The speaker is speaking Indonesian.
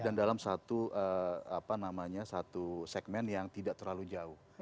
dalam satu segmen yang tidak terlalu jauh